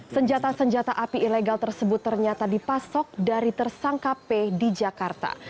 senjata senjata api ilegal tersebut ternyata dipasok dari tersangka p di jakarta